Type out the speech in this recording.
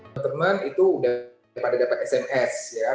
teman teman itu udah pada dapat sms ya